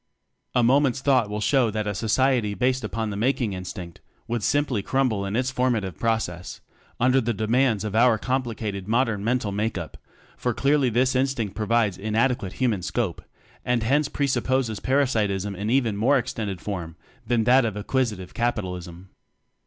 A moment's thought will show that a society based upon the Making In stinct would simply crumble in its formative process under the demands of our complicated modern mental make up, for clearly this instinct pro vides inadequate Human scope and hence presupposes parasitism in even more extended form than that of ac quisitive Capitalism.